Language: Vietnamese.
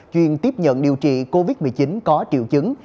chuyên tiếp nhận điều trị covid một mươi chín có triệu chứng